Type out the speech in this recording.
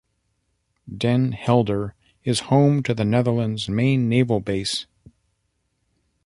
Den Helder is home to the Netherlands' main naval base.